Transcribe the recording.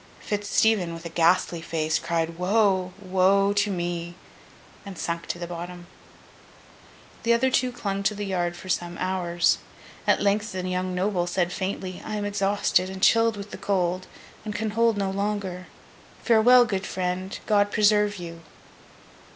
Fitz Stephen, with a ghastly face, cried, 'Woe! woe, to me!' and sunk to the bottom. The other two clung to the yard for some hours. At length the young noble said faintly, 'I am exhausted, and chilled with the cold, and can hold no longer. Farewell, good friend! God preserve you!